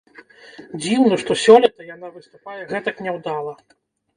Дзіўна, што сёлета яна выступае гэтак няўдала.